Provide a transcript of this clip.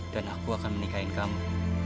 dan aku akan menikahin kamu